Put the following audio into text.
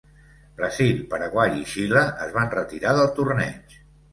Brasil, Paraguai i Xile es van retirar del torneig.